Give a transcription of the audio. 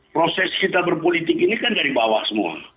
proses kita berpolitik ini kan dari bawah semua